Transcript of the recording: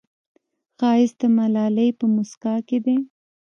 ښایست د ملالې په موسکا کې دی